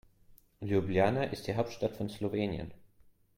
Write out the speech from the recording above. Ljubljana ist die Hauptstadt von Slowenien.